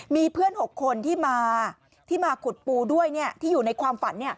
มีเพื่อน๖คนที่มาที่มาขุดปูด้วยที่อยู่ในความฝัน